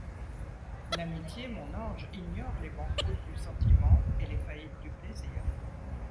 L’amitié, mon ange, ignore les banqueroutes du sentiment et les faillites du plaisir.